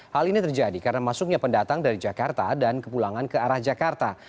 hal ini terjadi karena masuknya pendatang dari jakarta dan kepulangan ke arah jakarta